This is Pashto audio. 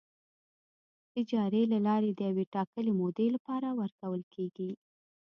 اجارې له لارې د یوې ټاکلې مودې لپاره ورکول کیږي.